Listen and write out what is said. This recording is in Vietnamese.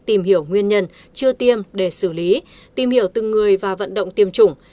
tìm hiểu nguyên nhân chưa tiêm để xử lý tìm hiểu từng người và vận động tiêm chủng